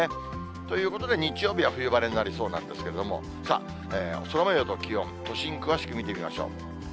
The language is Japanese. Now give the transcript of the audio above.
ということで、日曜日は冬晴れになりそうなんですけども、さあ、空もようと気温、都心、詳しく見てみましょう。